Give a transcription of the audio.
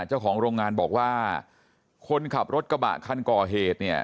เจ้าของโรงงานบอกว่าคนขับรถกระบะคันก่อเหตุเนี่ย